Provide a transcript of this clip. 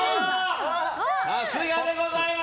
さすがでございます。